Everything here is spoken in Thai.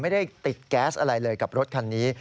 ไม่ได้ติดแก๊สอะไรเลยกับรถคันนี้